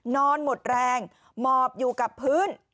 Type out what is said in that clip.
นอนหมดแรงหมอบอยู่กับพื้น